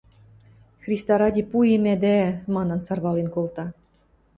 – Христа ради пуэмӓдӓ, – манын сарвален колта.